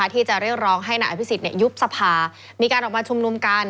ที่จะเรียกร้องให้นายอภิษฎยุบสภามีการออกมาชุมนุมกัน